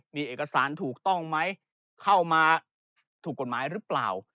มีเอกสารถูกต้องไหมเข้ามาถูกกฎหมายหรือเปล่า